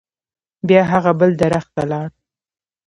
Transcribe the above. بیا هغه بل درخت ته لاړ.